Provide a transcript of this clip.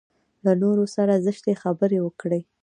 له نورو سره زشتې خبرې وکړي.